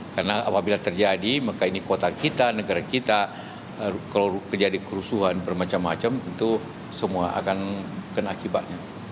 karena apabila terjadi maka ini kota kita negara kita kalau terjadi kerusuhan bermacam macam itu semua akan kena akibatnya